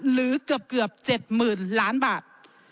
หรือเกือบ๗๐๐๐ล้านบาท